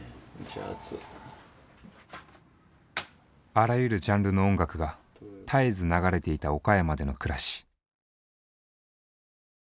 あらゆるジャンルの音楽が絶えず流れていた岡山での暮らし。